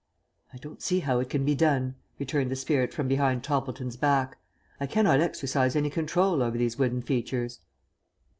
"I don't see how it can be done," returned the spirit from behind Toppleton's back. "I cannot exercise any control over these wooden features."